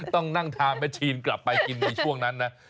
ต้องนั่งทานแม่ชีนกลับไปกินในช่วงนั้นนะ